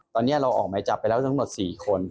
ตอนนี้เราออกหมายจับไปแล้วทั้งหมด๔คน